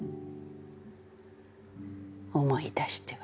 思い出しては。」。